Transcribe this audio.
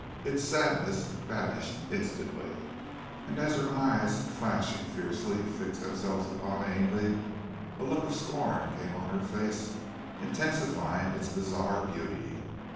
Its sadness vanished instantly, and as her eyes flashing fiercely fixed themselves upon Ainley, a look of scorn came on her face intensifying its bizarre beauty.